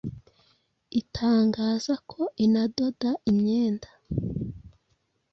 itangaza ko inadoda imyenda